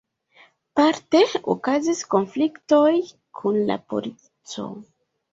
Parte okazis konfliktoj kun la polico.